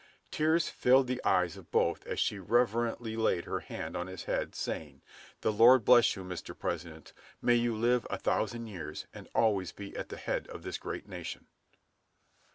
Tears filled the eyes of both as she reverently laid her hand on his head, saying, "The Lord bless you, Mr. President. May you live a thousand years, and always be at the head of this great nation!"